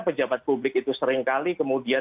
pejabat publik itu seringkali kemudian